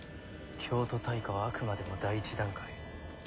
京都大火はあくまでも第一段階。